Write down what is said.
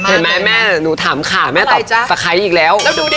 เห็นไหมแม่หนูถามค่ะแม่ตอบตะไคร้อีกแล้ว